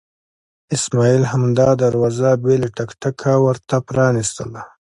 اسماعیل همدا دروازه بې له ټک ټکه ورته پرانستله.